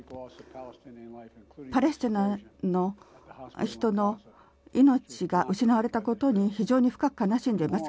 パレスチナの人の命が失われたことに非常に深く悲しんでいます。